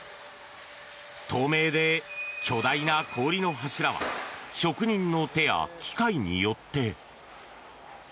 透明で巨大な氷の柱は職人の手や機械によって。